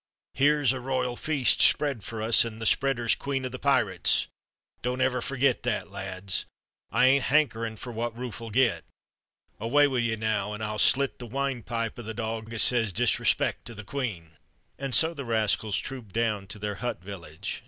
Here's a royal feast spread for us, an' th' spreader's queen o' th' pirates! Don't ever ferget that, lads. I ain't hankerin' fer what Rufe'll get. Away wi' you, now, an' I'll slit th' winepipe o' th' dog as says disrespect to th' queen." And so the rascals trooped down to their hut village.